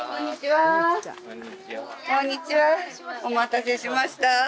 お待たせしました。